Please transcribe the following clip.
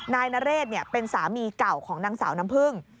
นายนเรศเป็นสามีเก่าของนางสาวน้ำพึ่ง